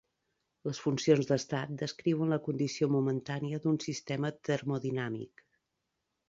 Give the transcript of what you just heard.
Les funcions d'estat descriuen la condició momentània d'un sistema termodinàmic.